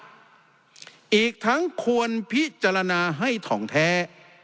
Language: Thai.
อีกทั้งควรพิจารณาให้ถ่องแท้